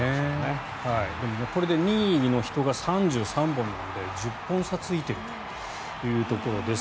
でも、これで２位の人が３３本なので１０本差ついてるというところです。